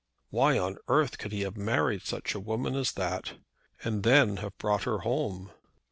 Why on earth could he have married such a woman as that, and then have brought her home!